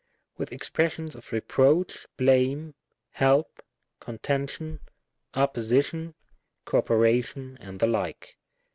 "With expressions of reproach, blame, help, con tention, opposition, co operation, and the like.